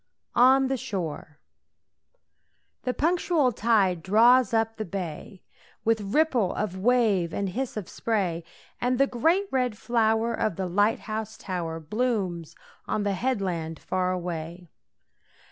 ON THE SHORE. The punctual tide draws up the bay, With ripple of wave and hiss of spray, And the great red flower of the light house tower Blooms on the headland far away.